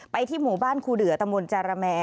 ไปที่หมู่บ้านคูเดือตำวนจารแมร